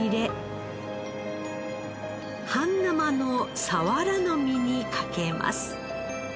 半生のサワラの身にかけます。